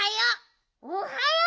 おはよう。